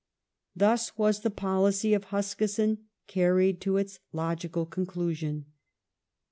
Thus was the policy of Huskisson carried to its logical conclusion.